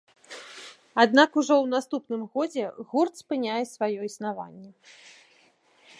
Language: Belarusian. Аднак ужо ў наступным годзе гурт спыняе сваё існаванне.